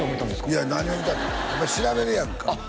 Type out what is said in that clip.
いや何を見たってやっぱ調べるやんかあっ